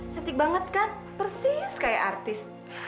cantik banget kan persis kayak artis